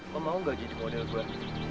lo mau gak jadi model gue